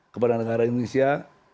kepada negara indonesia